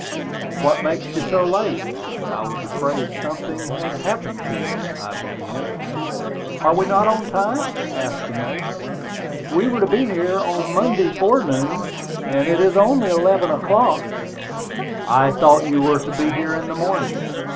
"What makes you so late? I was afraid something had happened to you," I began. "Are we not on time?" asked the mate. "We were to be here on Monday forenoon; and it is only eleven o'clock." "I thought you were to be here in the morning."